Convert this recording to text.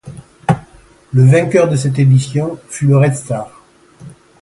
Le vainqueur de cette édition fut le Red Star.